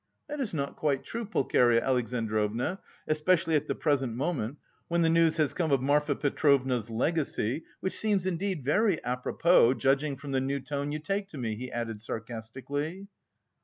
"That is not quite true, Pulcheria Alexandrovna, especially at the present moment, when the news has come of Marfa Petrovna's legacy, which seems indeed very apropos, judging from the new tone you take to me," he added sarcastically.